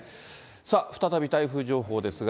さあ再び台風情報ですが。